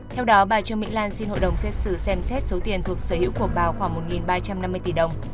theo đó bà trương mỹ lan xin hội đồng xét xử xem xét số tiền thuộc sở hữu của bà khoảng một ba trăm năm mươi tỷ đồng